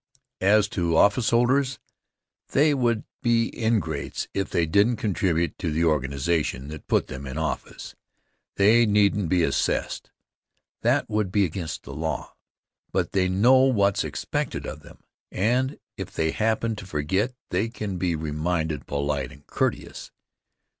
As to officeholders, they would be ingrates if they didn't contribute to the organization that put them in office. They needn't be assessed. That would be against the law. But they know what's expected of them, and if they happen to forget they can be reminded polite and courteous.